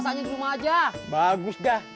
hehehe makanya datang atuh di